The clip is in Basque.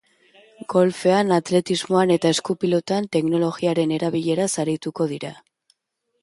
Golfean, atletismoan eta esku-pilotan teknologiaren erabileraz arituko dira.